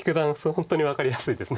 本当に分かりやすいです。